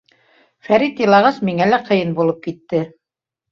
Фәрит илағас, миңә лә ҡыйын булып китте.